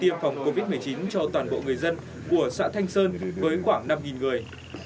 tiêm phòng covid một mươi chín cho toàn bộ người dân của xã thanh sơn với khoảng năm người